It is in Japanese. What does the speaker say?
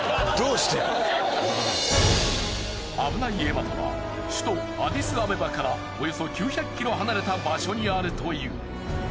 アブナイエマタは首都アディスアベバからおよそ９００ｋｍ離れた場所にあるという。